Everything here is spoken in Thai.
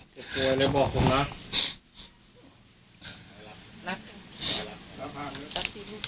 เจ็บโกรธเลยบอกผมนะ